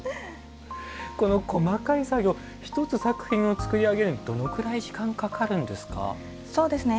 この細かい作業１つ作品を作り上げるのにどのくらい時間かかるんですか？